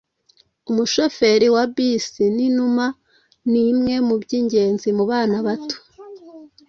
umushoferi wa bisi ninuma nimwe mubyingenzi mubana bato